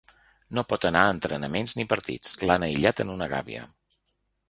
No pot anar a entrenaments ni partits, l’han aïllat en una gàbia.